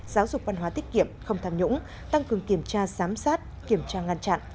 giáo dục văn hóa tiết kiệm không tham nhũng tăng cường kiểm tra giám sát kiểm tra ngăn chặn